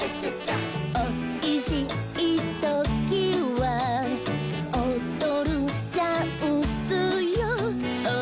「おいしいときはおどるチャンスよ」